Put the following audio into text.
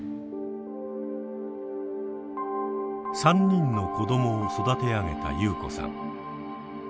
３人の子どもを育て上げたユウコさん。